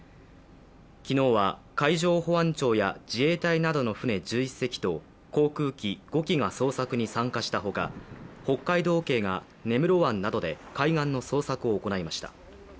昨日は、海上保安庁や自衛隊などの船１１隻と航空機５機が捜索に参加したほか、北海道警が根室湾などで海岸の捜索を行いました。